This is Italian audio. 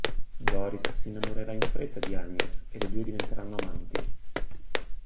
Doris si innamorerà in fretta di Agnes e le due diventeranno amanti.